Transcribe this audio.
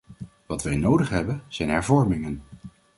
Wat wij nodig hebben, zijn hervormingen.